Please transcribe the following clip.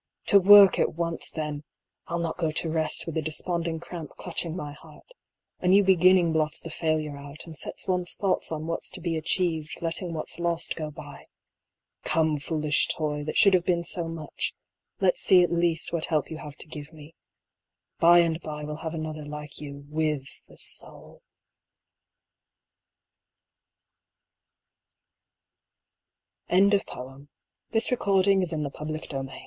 to work at once then! I'll not go to rest with the desponding cramp clutching my heart : a new beginning blots the failure out, and sets one's thoughts on what's to be achieved; letting what's lost go by. Come, foolish toy, that should have been so much, let's see at least what help you have to give me. Bye and bye we'll have another like yo